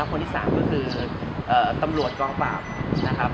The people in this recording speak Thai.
คนที่สามคือตำรวจกองปราบ